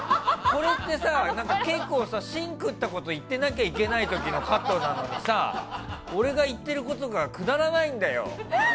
これってさ、結構芯食ったこと言ってないといけない時のカットなのにさ俺が言っていることがくだらないんだよ！